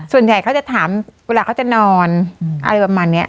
ส่วนใหญ่เขาจะถามเวลาเขาจะนอนอะไรประมาณนี้